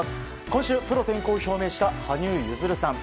今週、プロ転向を表明した羽生結弦さん。